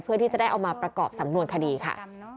เพื่อที่จะได้เอามาประกอบสำนวนคดีค่ะ